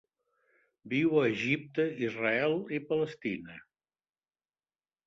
Viu a Egipte, Israel i Palestina.